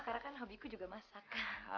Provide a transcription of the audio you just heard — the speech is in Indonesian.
karena kan hobiku juga masakan